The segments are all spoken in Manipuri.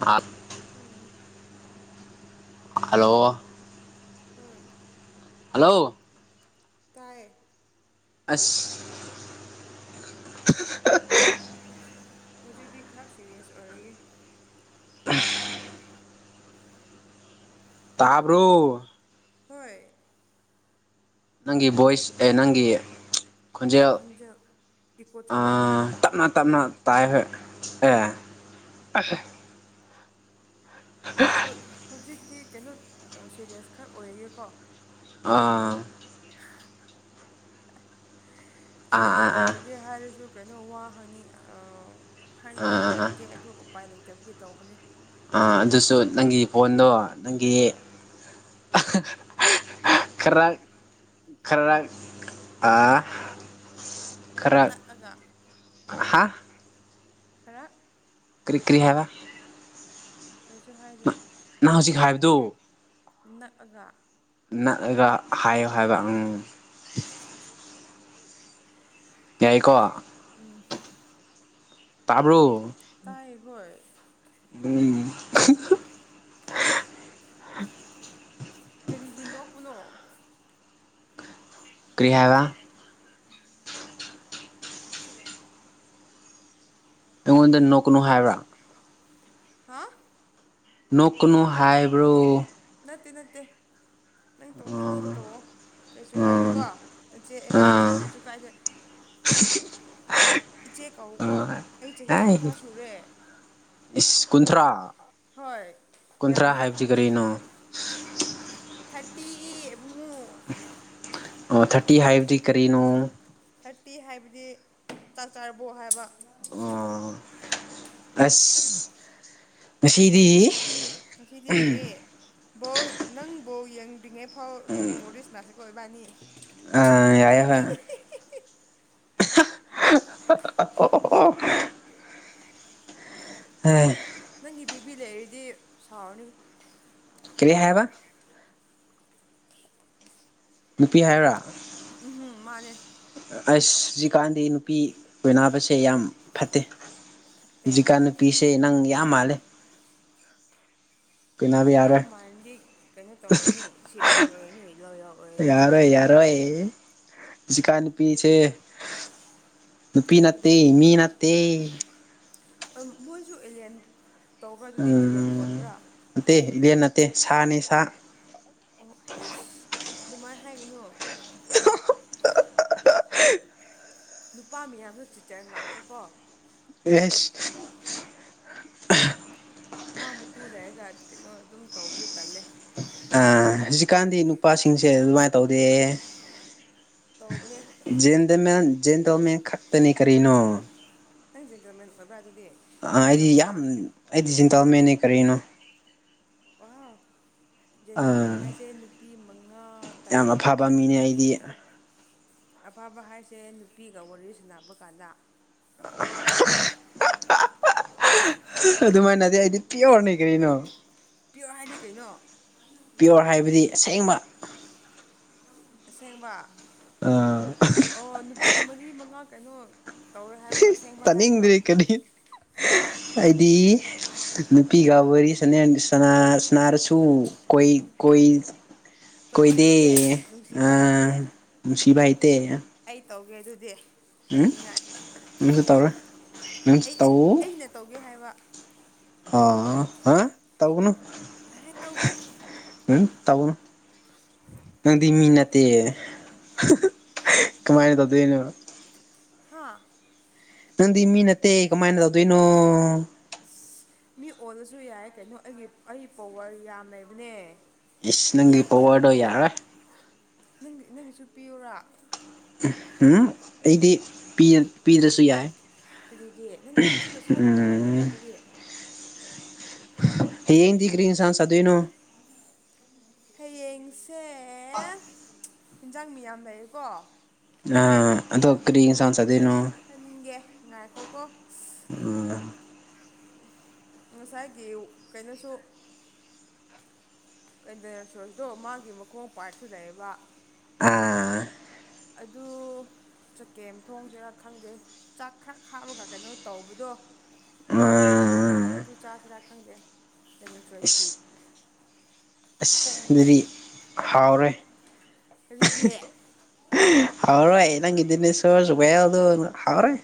ꯍꯥꯠ ꯎꯝ ꯍꯜꯂꯣ ꯍꯣꯏ ꯍꯜꯂꯣ ꯇꯥꯏ ꯑꯁ ꯍꯧꯖꯤꯛꯇꯤ ꯈꯔ ꯁꯦꯔꯤꯌꯁ ꯑꯣꯏꯔꯒꯦ ꯑꯍ ꯀꯣ ꯇꯥꯕ꯭ꯔꫭ ꯍꯣꯏ ꯅꯪꯒꯤ ꯚꯣꯏꯁ ꯑꯦ ꯅꯪꯒꯤ ꯈꯣꯟꯖꯦꯜ ꯈꯟꯖꯦꯜ ꯏꯀꯣ ꯆꯠꯄ꯭ꯔꯣ ꯇꯞꯅ ꯇꯞꯅ ꯇꯥꯏ ꯍꯦ ꯑꯦ ꯑꯁ ꯑꯗꯨ ꯍ ꯍꯧꯖꯤꯛꯇꯤ ꯀꯩꯅꯣ ꯁꯦꯔꯤꯌꯁ ꯈꯔ ꯑꯣꯏꯔꯒꯦꯀꯣ ꯑꯥ ꯑꯥ ꯁꯦꯔꯤꯟꯁ ꯑꯥ ꯑꯥ ꯑꯣꯏꯒꯦ ꯍꯥꯏꯔꯁꯨ ꯀꯩꯅꯣ ꯋꯥ ꯍꯪꯅꯤ ꯍꯥꯏꯅꯤꯡꯉꯥꯏꯁꯨ ꯑꯥ ꯂꯩꯇꯦ ꯑꯗꯨ ꯎꯄꯥꯏ ꯂꯩꯇꯕꯒꯤ ꯇꯧꯕꯅꯤ ꯑꯗꯨꯁꯨ ꯅꯪꯒꯤ ꯐꯣꯟꯗꯣ ꯅꯪꯒꯤ ꯍꯣꯏ ꯈꯔꯥꯛ ꯈꯔꯥꯛ ꯑ ꯈꯔ ꯅꯛꯑꯒ ꯍꯥꯥ ꯈꯔ ꯀ꯭ꯔꯤ ꯀ꯭ꯔꯤ ꯍꯥꯏꯕ ꯀꯩꯁꯨ ꯍꯥꯏꯗꯦ ꯅꯪ ꯍꯧꯖꯤꯛ ꯍꯥꯏꯕꯗꯨ ꯅꯛꯑꯒ ꯅꯛꯑꯒ ꯍꯥꯏꯌꯣ ꯍꯥꯏꯕ ꯑ ꯌꯥꯏꯀꯣ ꯎꯝ ꯇꯥꯕ꯭ꯔꯣ ꯇꯥꯏ ꯍꯣꯏ ꯎ ꯀꯔꯤꯒꯤ ꯅꯣꯛꯄꯅꯣ ꯀ꯭ꯔꯤ ꯍꯥꯏꯕ ꯁꯨꯕꯖꯥ ꯑꯩꯉꯣꯟꯗ ꯅꯣꯛꯀꯅꯨ ꯍꯥꯏꯕ꯭ꯔꯥ ꯍꯥ ꯅꯣꯛꯀꯅꯨ ꯍꯥꯏꯕ꯭ꯔꯣ ꯅꯠꯇꯦ ꯅꯠꯇꯦ ꯅꯪ ꯇꯧꯅꯤꯡꯕ ꯑꯥ ꯇꯧꯑꯣ ꯀꯩꯁꯨ ꯑꯥ ꯀꯥꯏꯗꯦꯀꯣ ꯅꯆꯦ ꯑꯩꯉꯣꯟꯗꯗꯤ ꯑꯥ ꯀꯩꯁꯨ ꯀꯥꯏꯗꯦ ꯏꯆꯦ ꯀꯎ ꯀꯣ ꯑꯥ ꯑꯩ ꯆꯍꯤ ꯑꯥꯏ ꯀꯨꯟꯊ꯭ꯔꯥ ꯁꯨꯔꯦ ꯏꯁ ꯀꯨꯟꯊ꯭ꯔꯥ ꯍꯣꯏ ꯌꯥꯝ ꯀꯨꯟꯊ꯭ꯔꯥ ꯍꯥꯏꯕꯗꯤ ꯀꯔꯤꯅꯣ ꯊꯥꯔꯇꯤ ꯑꯃ ꯑꯣ ꯊꯥꯔꯇꯤ ꯍꯥꯏꯕꯗꯤ ꯀꯔꯤꯅꯣ ꯊꯥꯔꯇꯤ ꯍꯥꯏꯕꯗꯤ ꯆꯥꯛ ꯆꯥꯔꯕꯣ ꯍꯥꯏꯕ ꯎꯝ ꯑꯁ ꯉꯁꯤꯗꯤ ꯉꯁꯤꯗꯤ ꯀꯔꯤ ꯕꯧ ꯅꯪ ꯕꯧ ꯌꯦꯡꯗ꯭ꯔꯤꯉꯩ ꯐꯥꯎ ꯑꯗꯨꯝ ꯃꯣꯔꯦꯁꯅꯥꯁꯤ ꯀꯣꯏꯕꯥꯅꯤ ꯑ ꯌꯥꯌꯥ ꯍꯥꯏ ꯑꯣ ꯎꯝ ꯅꯪꯒꯤ ꯕꯦꯕꯤ ꯂꯩꯔꯗꯤ ꯁꯥꯎꯔꯅꯤ ꯀꯔꯤꯌꯥꯕ ꯅꯨꯄꯤ ꯍꯥꯏꯕ꯭ꯔꯥ ꯎꯝ ꯍꯝ ꯃꯥꯅꯦꯦ ꯑꯁ ꯍꯧꯖꯤꯛꯀꯥꯟꯗꯤ ꯅꯨꯄꯤ ꯑꯣꯏꯅꯕꯁꯦ ꯌꯥꯝ ꯐꯠꯇꯦ ꯐꯠꯇꯦ ꯖꯤꯀꯟꯅ ꯄꯤꯁꯦ ꯅꯪ ꯌꯥꯝ ꯃꯥꯂꯦ ꯑꯩ ꯑꯩ ꯃꯟꯗꯤ ꯀꯩꯅꯣ ꯇꯧꯔꯅꯤ ꯁꯤꯦꯔꯤꯌꯦꯁ ꯑꯣꯏꯔꯅꯤ ꯂꯣꯏꯌꯣ ꯌꯥꯔꯣ ꯌꯥꯔꯣ ꯆꯖꯤꯀꯅꯤ ꯄꯤꯁꯦ ꯅꯨꯄꯤ ꯀꯔꯤ ꯅꯠꯇꯦ ꯃꯤ ꯅꯠꯇꯦ ꯃꯣꯏꯁꯨ ꯑꯦꯂꯦꯟ ꯇꯧꯕ꯭ꯔꯥ ꯑꯗꯨꯗꯤ ꯑꯦꯂꯦꯟ ꯎꯝ ꯑꯣꯟꯕ꯭ꯔꯥ ꯅꯠꯇꯦ ꯏꯕꯦꯟ ꯅꯠꯇꯦ ꯁꯥꯅꯤ ꯁꯥ ꯑꯣ ꯍꯥꯏꯦꯁ ꯑꯗꯨꯃꯥꯏꯅ ꯍꯥꯏꯒꯅꯨ ꯅꯨꯄꯥ ꯃꯤꯌꯥꯝꯅ ꯆꯤꯆꯟ ꯉꯥꯛꯇ ꯀꯣ ꯔꯁ ꯃꯥ ꯃꯇꯨ ꯂꯩꯔꯒ ꯀꯩꯅꯣ ꯑꯗꯨꯝ ꯇꯧꯕꯗꯣ ꯇꯜꯂꯦ ꯑ ꯍꯧꯖꯤꯛꯀꯥꯟꯗꯤ ꯅꯨꯄꯥꯁꯤꯡꯁꯦ ꯑꯗꯨꯃꯥꯏꯅ ꯇꯧꯗꯦ ꯇꯧꯕꯅꯦ ꯗ ꯦꯟꯗꯣꯃꯦ ꯈꯛꯇꯇꯅꯤ ꯀꯅꯣ ꯅꯪ ꯖꯦꯟꯗ꯭ꯔꯃꯦꯟ ꯑꯣꯏꯕ꯭ꯔꯥ ꯑꯗꯨꯗꯤ ꯑ ꯑꯩꯗꯤ ꯌꯥꯝ ꯑꯣꯏꯔꯝꯃꯣꯏꯗ ꯑꯩꯗꯤ ꯟꯇꯜ ꯃꯦꯟꯅꯦ ꯀꯔꯤꯅꯣ ꯑ ꯖꯦꯟꯗꯔꯃꯦꯟ ꯑꯥ ꯍꯥꯏꯁꯦ ꯅꯨꯄꯤ ꯃꯉꯥ ꯇꯔꯨꯛ ꯌꯥꯝ ꯑꯐꯕ ꯇꯔꯦꯠ ꯃꯤꯅꯦ ꯑꯩꯗꯤ ꯑꯐꯕ ꯍꯥꯏꯁꯦ ꯅꯨꯄꯤꯒ ꯋꯥꯔꯤ ꯁꯥꯟꯅꯕ ꯀꯥꯟꯗ [inaudible] ꯑꯗꯨꯃꯥꯏꯅꯗꯤ ꯑꯩꯗꯤ ꯄꯤꯌꯣꯔꯅꯦ ꯀꯔꯤꯅꯣ ꯄꯤꯌꯣꯔ ꯍꯥꯏꯅꯤ ꯀꯩꯅꯣ ꯄꯤꯌꯣꯔ ꯍꯥꯏꯕꯗꯤ ꯑꯁꯦꯡꯕ ꯑꯁꯦꯡꯕ ꯑ ꯑꯣ ꯅꯨꯄꯤ ꯃꯔꯤ ꯃꯉꯥ ꯀꯩꯅꯣ ꯇꯧꯔꯦ ꯍꯥꯏꯕꯗꯣ ꯑꯁꯦꯡꯕ ꯍꯥꯏꯕ꯭ꯔꯣ ꯍꯥꯏꯗꯤ ꯅꯨꯄꯤꯒꯕꯔꯤ ꯁ ꯁ ꯁꯅꯔꯁꯨ ꯀꯣꯏ ꯀꯣꯏ ꯀꯣꯏꯕ ꯀꯣꯏꯗꯤ ꯍꯩꯇꯦ ꯅꯨꯡꯁꯤꯕ ꯍꯩꯇꯦ ꯑꯁꯤꯚꯥꯏꯇ ꯑꯩ ꯇꯧꯒꯦ ꯑꯗꯨꯗꯤ ꯍꯥꯏꯅꯤꯡꯉꯥꯏ ꯅꯪꯁꯨ ꯇꯧꯔꯣꯏ ꯅꯪꯁꯨ ꯑꯩ ꯑꯩꯅ ꯇꯧꯒꯦ ꯍꯥꯏꯕ ꯑꯣ ꯑ ꯇꯥꯧꯕꯅꯣ ꯍꯦ ꯇꯧꯒꯦ ꯎ ꯇꯥꯕꯨꯅꯣ ꯅꯪꯗꯤ ꯃꯤ ꯅꯠꯇꯦ ꯀꯃꯥꯏꯅ ꯇꯧꯗꯣꯏꯅꯣ ꯍꯥꯥ ꯅꯪꯗꯤ ꯃꯤ ꯅꯠꯇꯦ ꯀꯃꯥꯏꯅ ꯇꯧꯗꯣꯏꯅꯣ ꯑ ꯃꯤ ꯑꯣꯜꯂꯁꯨ ꯌꯥꯏ ꯀꯩꯅꯣ ꯑꯩꯒꯤ ꯑꯩ ꯄꯋꯥꯔ ꯌꯥꯝ ꯂꯩꯕꯅꯦ ꯏꯁ ꯅꯪꯒꯤ ꯌꯥꯝ ꯄꯋꯥꯔꯗꯣ ꯈꯜꯂꯅꯨ ꯌꯥꯔꯣꯏ ꯅꯪ ꯅꯪꯒꯤꯁꯨ ꯄꯤꯌꯔꯥ ꯎꯝ ꯑꯩꯗꯤ ꯄꯤꯗ꯭ꯔꯁꯨ ꯌꯥꯏ ꯀꯒꯤ ꯅꯪ ꯅꯪꯁꯨ ꯂꯣꯏꯁꯥꯒꯤ ꯄꯋꯥꯜ ꯂꯩꯕ꯭ꯔꯥ ꯎꯝ ꯑꯗꯨꯗꯤ ꯌꯦꯡꯗꯤ ꯀ꯭ꯔꯤ ꯏ ꯁꯥꯟꯅ ꯆ ꯑꯗꯨꯣꯏꯅꯣ ꯍꯌꯦꯡꯁꯦ ꯏꯟꯖꯥꯡ ꯃꯤꯌꯥꯝ ꯂꯩꯔꯦꯀꯣ ꯑꯥ ꯑꯗꯣ ꯑꯗꯨ ꯀꯔꯤ ꯏꯟꯁꯥꯡ ꯆꯥꯗꯣꯏꯅꯣ ꯑꯩ ꯈꯟꯒꯦ ꯉꯥꯏꯈꯣꯀꯣ ꯎꯝ ꯉꯁꯥꯏꯒꯤ ꯀꯩꯅꯣꯁꯨ ꯀꯇꯁꯣꯔꯁꯇꯣ ꯃꯥꯒꯤ ꯃꯈꯣꯡ ꯄꯥꯏꯔꯞꯁꯨ ꯂꯩꯑꯕ ꯑ ꯑꯗꯨ ꯆꯀꯦꯝ ꯊꯣꯡꯁꯤꯦꯔꯥ ꯈꯪꯗꯦ ꯆꯥꯛ ꯈꯔ ꯍꯥꯥꯔꯒ ꯀꯩꯅꯣ ꯇꯧꯕꯗꯣ ꯑꯥ ꯑꯗꯨ ꯆꯥꯁꯤꯔꯥ ꯈꯪꯗꯦ ꯏꯁ ꯁ꯭ꯔꯣꯏꯁꯀꯤ ꯑꯁ ꯑꯗꯨꯗꯤ ꯍꯥꯎꯔꯦ ꯑꯗꯨꯒꯤ ꯍꯔ ꯅꯪ ꯏꯗꯅꯦꯁꯣꯔ ꯆꯨꯕꯦ ꯌꯥꯎꯣ ꯍ꯭ꯔꯦ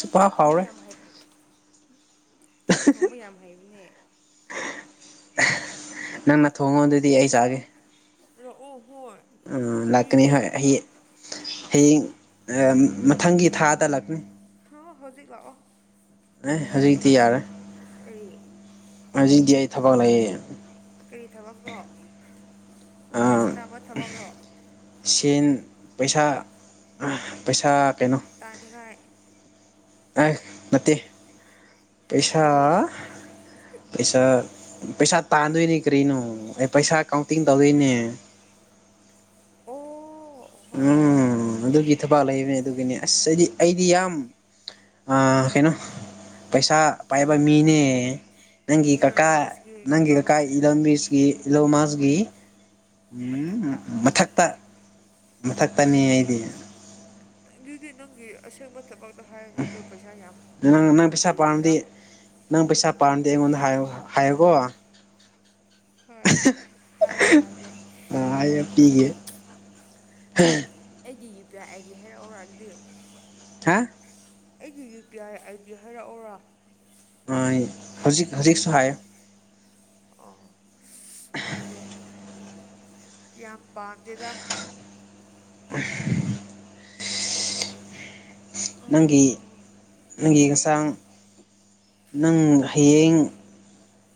ꯑꯩ ꯆꯥꯛ ꯊꯣꯡꯕ ꯌꯥꯝ ꯍꯩ ꯆꯥꯛ ꯊꯣꯡꯕ ꯌꯥꯝ ꯍꯩꯕꯅꯦ ꯅꯪꯅ ꯊꯣꯡꯉꯣ ꯑꯗꯨꯗꯤ ꯑꯩ ꯆꯥꯒꯦ ꯔꯑꯣ ꯍꯣꯏ ꯂꯥꯛꯀꯅꯤ ꯊꯣꯡꯕꯤꯒꯦ ꯍꯣꯏ ꯍꯌꯦꯡ ꯍꯌꯦꯡ ꯃꯊꯪꯒꯤ ꯊꯥꯗ ꯂꯥꯛꯀꯅꯤ ꯍ ꯍꯧꯖꯤꯛ ꯂꯥꯛꯑꯣ ꯑꯦ ꯍꯧꯖꯤꯛꯇꯤ ꯌꯥꯔꯦ ꯀꯔꯤ ꯍꯧꯖꯤꯛꯗꯤꯏ ꯊꯕꯛ ꯂꯑꯌꯦ ꯀꯔꯤ ꯊꯕꯛꯅꯣ ꯑꯣꯔꯤ ꯑꯥ ꯁꯅꯥꯄꯣꯠ ꯊꯕꯛꯅꯣ ꯁꯦꯟ ꯄꯩꯁꯥ ꯄꯩꯁꯥ ꯀꯩꯅꯣ ꯇꯥꯗꯤꯉꯥꯏ ꯅꯦ ꯄꯩꯁꯥ ꯀꯔꯤ ꯄꯩꯁꯥ ꯄꯩꯁꯥ ꯇꯥꯟꯗꯣꯏꯅꯤ ꯀꯔꯤꯅꯣ ꯑꯩ ꯄꯩꯁꯥ ꯀꯥꯎꯟꯇꯤꯡ ꯇꯧꯗꯣꯏꯅꯦ ꯑꯣ ꯍꯣꯏ ꯍꯣꯏ ꯍꯣꯏ ꯎꯝ ꯑꯗꯨꯒꯤ ꯊꯕꯥꯛ ꯂꯩꯕꯅꯦ ꯑꯗꯨꯒꯤꯅꯦ ꯑꯁ ꯑꯩꯗꯤ ꯑꯩꯗꯤ ꯌꯥꯝ ꯀꯩꯅꯣ ꯄꯩꯁꯥ ꯄꯥꯏꯕ ꯃꯤꯅꯦ ꯅꯪꯒꯤ ꯏꯂꯣꯟ ꯀꯀꯥ ꯃꯥꯎꯁꯀꯤ ꯅꯪꯒꯤ ꯀꯀꯥ ꯏ ꯂꯝꯕꯤ ꯏꯜꯂꯧꯃꯖꯒꯤ ꯃꯊꯛꯇ ꯃꯊꯛꯇ ꯃꯊꯛ ꯇꯅꯤ ꯍꯥꯏꯗꯤ ꯑꯗꯨꯗꯤ ꯅꯪꯒꯤ ꯑꯁꯦꯡꯕ ꯊꯕꯛꯇ ꯍꯥꯏꯔꯅꯤ ꯍꯥꯏꯗ ꯄꯩꯁꯥ ꯌꯥꯝ ꯅꯪ ꯅꯪ ꯄꯥꯏꯕꯅꯣ ꯄꯩꯁꯥ ꯀꯔꯤꯒꯤꯔꯥ ꯄꯥꯝꯃꯗꯤ ꯅꯪ ꯄꯩꯁꯥ ꯄꯥꯔꯗꯤꯦ ꯑꯩꯉꯣꯟꯗ ꯍꯥꯏꯌ ꯍꯥꯏꯌꯣꯀꯣ ꯍꯣꯏ ꯍꯥꯏꯒꯦ ꯍꯥꯏꯒꯦ ꯑ ꯄꯤꯒꯦ [inaudible] ꯑꯩꯒꯤ U P I I D ꯍꯥꯏꯔꯛꯎꯔꯒꯗꯤ ꯍꯥ ꯑꯩꯒꯤ U P I I D ꯍꯥꯏꯔꯛꯎꯔꯥ ꯍꯧꯖꯤꯛ ꯍꯧꯖꯤꯛꯁꯨ ꯍꯥꯏ ꯑꯣ ꯍꯥꯏꯒꯦ ꯌꯥꯝ ꯄꯥꯝꯗꯦꯗ ꯎ [inaudible] ꯅꯪꯒꯤ ꯎꯝ ꯅꯪꯒꯤ ꯑꯩ ꯍꯛꯆꯥꯡ ꯅꯪ ꯍꯌꯦꯡ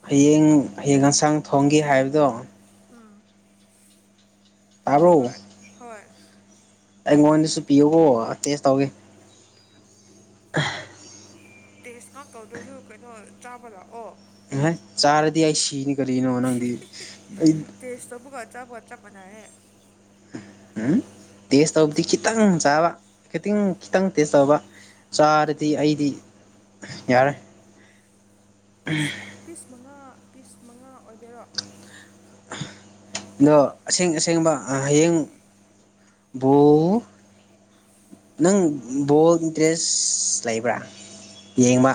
ꯍꯌꯦꯡ ꯍꯌꯦꯡ ꯌꯦꯟꯁꯥꯡ ꯊꯣꯡꯒꯦ ꯍꯥꯏꯕꯗꯣ ꯑꯥ ꯇꯣ ꯍꯣꯏ ꯑꯩꯉꯣꯟꯗꯁꯨ ꯄꯤꯌꯨꯀꯣ ꯇꯦꯁ ꯇꯧꯒꯦ ꯇꯦꯁ ꯉꯥꯛ ꯇꯧꯗ꯭ꯔꯁꯨ ꯀꯩꯅꯣ ꯆꯥꯕ ꯂꯥꯛꯑꯣ ꯍꯥꯏ ꯆꯥꯔꯗꯤ ꯑꯩ ꯁꯤꯅꯤ ꯀꯔꯤꯅꯣ ꯅꯪꯗꯤ ꯑꯩ ꯇꯦꯁ ꯇꯧꯕꯒ ꯆꯥꯕꯒ ꯆꯥꯞ ꯃꯥꯟꯅꯩꯌꯦ ꯎ ꯇꯦꯁ ꯇꯧꯕꯗꯤ ꯈꯤꯇꯪ ꯆꯥꯕ ꯈꯤꯇꯪ ꯈꯤꯇꯪ ꯇꯦꯁ ꯇꯧꯕ ꯆꯥꯔꯗꯤ ꯑꯩꯗꯤ ꯌꯥꯔꯦ ꯄꯤꯁ ꯄꯤꯁ ꯃꯉꯥ ꯄꯤꯁ ꯃꯉꯥ ꯑꯣꯏꯗꯔꯣ ꯑꯗꯣ ꯑꯁꯦꯡ ꯑꯁꯦꯡꯕ ꯍꯌꯦꯡ [inaudible] ꯅꯪ ꯕꯣꯜ ꯏꯟꯇꯔꯦꯁ ꯂꯩꯕ꯭ꯔꯥ ꯌꯦꯡꯕ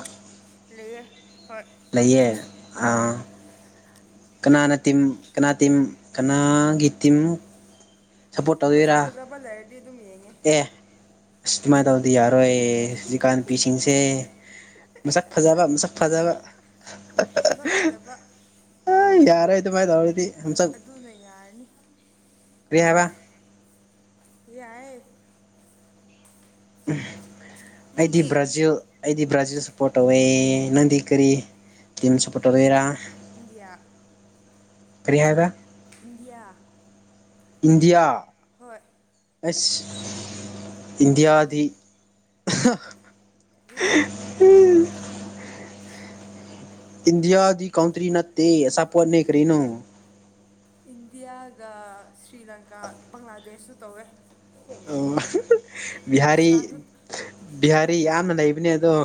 ꯂꯩꯌꯦ ꯍꯣꯏ ꯂꯩꯌꯦ ꯍꯣꯏ ꯑꯥ ꯀꯅꯥꯅ ꯇꯤꯝ ꯀꯅꯥ ꯇꯤꯝ ꯀꯅꯥꯒꯤ ꯇꯤꯝ ꯁꯞꯄꯣꯔꯠ ꯃꯁꯛ ꯇꯧꯗꯣꯏꯔꯥ ꯐꯖꯕ ꯂꯩꯔꯗꯤ ꯑꯗꯨꯝ ꯌꯦꯡꯉꯦ ꯑꯦ ꯑꯁ ꯑꯗꯨꯨꯃꯥꯏꯅ ꯇꯧꯗꯤ ꯌꯥꯔꯣꯏ ꯍꯧꯖꯤꯛꯀꯥꯟ ꯅꯨꯄꯤꯁꯤꯡꯁꯦ ꯃꯁꯛ ꯐꯖꯕ ꯃꯁꯛ ꯐꯖꯕ ꯃꯁꯛ ꯐꯖꯕ ꯑ ꯌꯥꯔꯥꯏꯇ ꯃꯥꯏ ꯇꯧꯗꯤ ꯑꯗꯨꯅ ꯌꯥꯔꯅꯤ ꯔꯤ ꯍꯥꯏꯕ ꯌꯥꯏ ꯑꯩꯗꯤ ꯅꯪꯗꯤ ꯕ꯭ꯔꯥꯖꯤꯜ ꯑꯩꯗꯤ ꯕ꯭ꯔꯥꯖꯤꯜ ꯁꯞꯄꯣꯔꯠ ꯇꯧꯋꯦ ꯅꯪꯗꯤ ꯀꯔꯤ ꯇꯤꯝ ꯁꯞꯄꯣꯔꯠ ꯇꯧꯗꯣꯏꯔꯥ ꯏꯟꯗꯤꯌꯥ ꯐꯔꯤꯌꯥꯗ ꯏꯟꯗꯤꯌꯥ ꯏꯟꯗꯤꯌꯥ ꯍꯣꯏ ꯑꯁ ꯏꯟꯗꯤꯌꯥꯒꯤ ꯑꯗꯨꯗꯤ ꯎꯝ ꯏꯟꯗꯤꯌꯥꯒꯤ ꯀꯥꯎꯇꯔꯤ ꯅꯠꯇꯦꯁꯥꯞꯄꯨ ꯑꯅꯦ ꯀꯔꯤꯅꯣ ꯏꯟꯗꯤꯌꯥꯒ ꯁ꯭ꯔꯤ ꯂꯪꯀꯥ ꯕꯪꯒ꯭ꯂꯥꯗꯦꯁꯁꯨ ꯇꯧꯋꯦ ꯑꯣ ꯕꯤꯍꯥꯔꯤ ꯄꯥꯀꯤꯁꯇꯥꯟꯁꯨ ꯕꯤꯍꯥꯔꯤ ꯌꯥꯝꯅ ꯂꯩꯕꯅꯦ ꯑꯗꯣ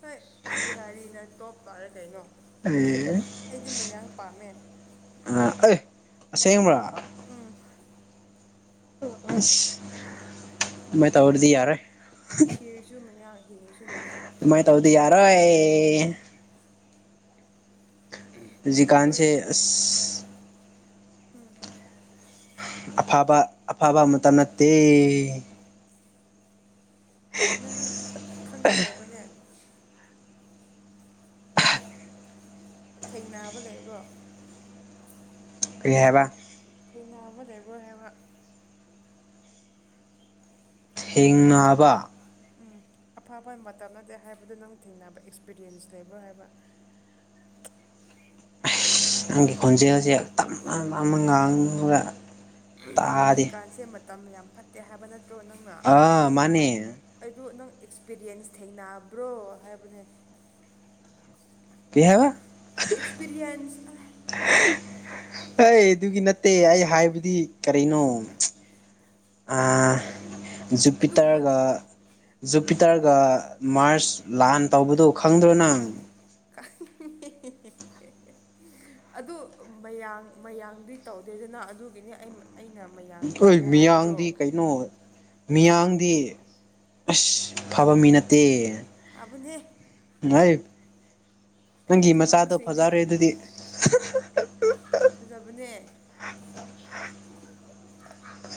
ꯍꯣꯏ ꯕꯤꯍꯥꯔꯤꯅ ꯇꯣꯞ ꯇꯥꯔꯦ ꯀꯩꯅꯣ ꯑꯦ ꯑꯩꯗꯤ ꯃꯌꯥꯡ ꯄꯥꯝꯃꯦ ꯑ ꯑꯦ ꯑꯁꯦꯡꯕ꯭ꯔꯥ ꯎꯝ ꯃ ꯇꯧꯔꯗꯤ ꯌꯥꯔꯦ꯫ ꯁꯤꯔꯁꯨ ꯃꯌꯥꯡ ꯍꯤꯡꯁꯨ ꯃꯌꯥꯡ꯫ ꯇꯧꯗꯤ ꯌꯥꯔꯣꯏ꫰꫰ ꯖꯤ ꯍꯣꯏ ꯀꯥꯟꯁꯦ ꯑꯁ ꯎꯝ ꯑꯐꯕ ꯑꯐꯕ ꯑꯃꯇ ꯅꯠꯇꯦ꯫ ꯅꯪ ꯈꯪꯕ ꯂꯩꯕ꯭ꯔꯥꯅꯦ꯫ ꯊꯦꯡꯅꯕ ꯂꯩꯕ꯭ꯔꯣ꯫ ꯀꯔꯤ ꯍꯥꯏꯕ ꯊꯩꯅꯥ ꯑꯃ ꯂꯩꯕ ꯍꯥꯏꯦꯕ ꯊꯦꯡꯅꯕ ꯎꯝ ꯑꯐꯕ ꯃꯇꯝ ꯅꯠꯇꯦ ꯍꯥꯏꯕꯗꯨ ꯅꯪ ꯊꯦꯡꯅꯕ ꯑꯦꯛꯁꯄꯤꯔꯤꯌꯦꯟꯁ ꯂꯩꯕ꯭ꯔꯥ ꯍꯥꯏꯕ ꯅꯪꯒꯤ ꯈꯣꯟꯖꯦꯜꯁꯦ ꯇꯞ ꯑꯃ ꯉꯥꯡꯨꯔ꯫ ꯍꯧꯖꯤꯛꯀꯥꯟꯁꯦ ꯃꯇꯝ ꯌꯥꯝ ꯐꯠꯇꯦ ꯍꯥꯏꯕ ꯅꯠꯇ꯭ꯔꯣ ꯅꯪ ꯑꯥ ꯃꯥꯅꯦ꯫ ꯑꯩꯗ ꯅꯪ ꯑꯦꯛꯁꯄꯤꯔꯤꯌꯦꯟꯁ ꯊꯦꯡꯅꯕ꯭ꯔꯣ ꯍꯥꯏꯕꯅꯦ꯫ ꯀꯩ ꯍꯥꯏꯕ ꯑꯦꯛꯁꯄꯤꯔꯤꯟꯁ ꯍꯣꯏ ꯑꯗꯨꯒꯤ ꯅꯠꯇꯦ ꯑꯩ ꯍꯥꯏꯕꯗꯤ ꯀꯔꯤꯅꯣ ꯑꯗꯨꯒꯨꯝꯕ ꯖꯨꯄꯤꯇꯔꯒ ꯖꯨꯄꯤꯇꯔꯒ ꯃꯥꯔꯁ ꯂꯥꯟ ꯇꯧꯕꯗꯨꯣ ꯈꯪꯗ꯭ꯔꯣ ꯅꯪ ꯈꯪꯉꯦ ꯑꯗꯨ ꯃꯌꯥꯡ ꯃꯌꯥꯡꯗꯨꯏ ꯇꯧꯗꯦꯗꯅ ꯑꯗꯨꯒꯤꯅꯤ ꯑꯩ ꯑꯩꯅ ꯃꯌꯥꯝ ꯑꯩꯈꯣꯏ ꯃꯤꯌꯥꯡꯗꯤ ꯀꯩꯅꯣ ꯃꯤꯌꯥꯡꯗꯤ ꯑꯁ ꯐꯕ ꯃꯤ ꯅꯠꯇꯦ꯫ ꯐꯥꯕꯅꯦ꯫ ꯥꯏ ꯑꯩꯅ ꯅꯪꯒꯤ ꯃꯆꯥꯗꯣ ꯈꯪꯅꯕꯁꯤꯡꯗꯤ ꯐꯖꯔꯦ ꯑꯗꯨꯗꯤ꯫ ꯐꯖꯕꯅꯦ꯫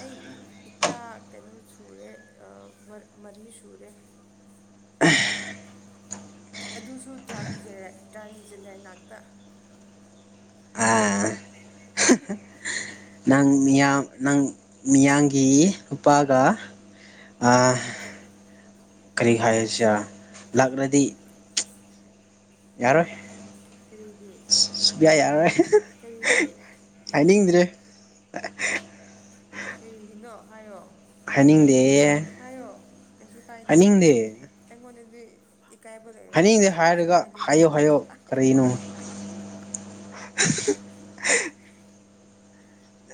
ꯑꯩ ꯏꯆꯥ ꯀꯩꯅꯣ ꯁꯨꯔꯦ ꯃꯔꯤ ꯁꯨꯔꯦ꯫ [unintelligible] ꯑꯗꯨꯁꯨ ꯇ꯭ꯔꯥꯖꯦ ꯇ꯭ꯔꯥꯟꯖꯦꯟꯗꯔ ꯉꯥꯛꯇ꯫ ꯑꯥ [unintelligible] ꯅꯪ ꯃꯤꯌꯥꯡ ꯅꯪ ꯃꯤꯌꯥꯡꯒꯤ ꯅꯨꯄꯥꯒ ꯑꯥ ꯀꯔꯤ ꯍꯥꯏꯔꯁꯤꯔꯥ ꯂꯥꯛꯂꯗꯤ꯫ ꯌꯥꯔꯣꯏ ꯀꯔꯤꯒꯤ ꯁꯨꯛꯌꯥ ꯌꯥꯔꯣꯏ꫰꫰ ꯀꯔꯤꯒꯤ ꯍꯥꯏꯅꯤꯡꯗ꯭ꯔꯦ꯫ ꯑ [unintelligible] ꯀꯩꯔꯤꯒꯤꯅꯣ ꯍꯥꯏꯌꯣ꯫ ꯍꯥꯏꯅꯤꯡꯗꯦ ꯍꯥꯏꯌꯣ ꯀꯩꯁꯨ ꯀꯥꯏꯗꯦ ꯍꯥꯏꯅꯤꯡꯗꯦ ꯑꯩꯉꯣꯟꯗꯗꯤ꯫ ꯏꯀꯥꯏꯕ ꯂꯩꯔꯒꯅꯨ ꯀꯩꯁꯨ ꯀꯥꯏꯗꯦ꯫ ꯀꯩꯅꯣ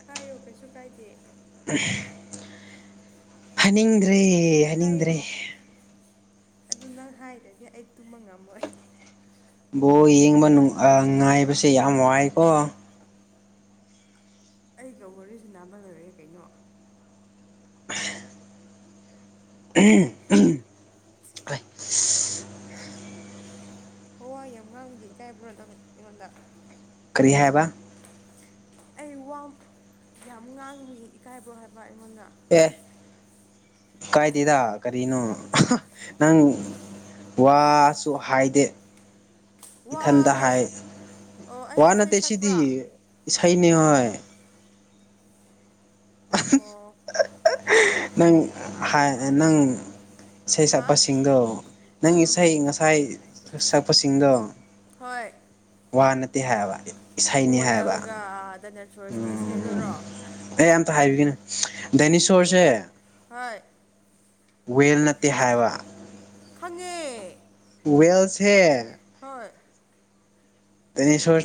ꯍꯥꯏꯌꯣ ꯀꯩꯁꯨ ꯀꯥꯏꯗꯦ꯫ [unintelligible] ꯍꯥꯏꯅꯤꯡꯗ꯭ꯔꯦ ꯍꯥꯏꯌꯣ ꯍꯥꯏꯅꯤꯡꯗ꯭ꯔꯦ꯫ ꯑꯗꯨ ꯅꯪ ꯍꯥꯏꯗ꯭ꯔꯗꯤ ꯑꯩ ꯇꯨꯝꯕ ꯉꯝꯃꯣꯏ꯫ ꯕꯣ ꯌꯦꯡꯕ ꯅꯨꯡ ꯑꯥ ꯉꯥꯏꯕꯁꯦ ꯌꯥꯝ ꯋꯥꯏꯀꯣ ꯑꯩꯒ ꯋꯥꯔꯤ ꯁꯥꯟꯅꯕ ꯂꯣꯏꯔꯦ ꯀꯩꯅꯣ꯫ ꯎꯝ [unintelligible] ꯋꯥ ꯌꯥꯝ ꯉꯥꯡꯕꯗꯤ ꯏꯀꯥꯏꯕ꯭ꯔꯣ ꯅꯪ ꯑꯩꯉꯣꯟꯗ ꯀꯔꯤ ꯍꯥꯏꯕ ꯑꯩ ꯋꯥꯝ ꯌꯥꯝ ꯉꯥꯡꯕꯒꯤ ꯏꯀꯥꯏꯕꯣ ꯍꯥꯏꯕ ꯑꯩꯉꯣꯟꯗ ꯑꯦ ꯀꯥꯏꯗꯦꯗ ꯀꯔꯤꯅꯣ ꯏꯀꯥꯏ ꯅꯪ ꯋꯥꯁꯨ ꯍꯥꯏꯗꯦ ꯏꯊꯟꯇ ꯋꯥꯅꯦ ꯍꯥꯏ ꯑꯣ ꯑꯩ ꯋꯥ ꯏꯁꯩ ꯅꯠꯇꯦ ꯁꯤꯗꯤ ꯁꯛꯄ꯭ꯔꯥ ꯏꯁꯩꯅꯤ ꯍꯣꯏ ꯑꯣ ꯅꯪ ꯍꯥꯏ ꯑ ꯃꯥꯅꯦ ꯅꯪ ꯏꯁꯩ ꯍꯥ ꯁꯛꯄꯁꯤꯡꯗꯣ ꯅꯪ ꯏꯁꯩ ꯉꯁꯥꯏ ꯁꯛꯄꯁꯤꯡꯗꯣ ꯍꯣꯏ ꯋꯥ ꯅꯠꯇꯦ ꯍꯥꯏꯕ ꯏꯁꯩꯅꯤ ꯍꯥꯏꯕ ꯑꯣꯏ [unintelligible] ꯒꯤ ꯏꯁꯩꯗꯨꯔꯣ ꯑꯦ ꯑꯝꯇ ꯍꯥꯏꯕꯤꯒꯦꯅꯦ ꯗꯦꯅꯤꯁꯣꯔꯁꯦ ꯍꯣꯏ ꯋꯦꯜ ꯅꯠꯇꯦ ꯍꯥꯏꯕ ꯈꯪꯉꯦ ꯋꯦꯜꯁꯦ ꯍꯣꯏ ꯗꯦꯅꯤꯁꯣꯔꯁ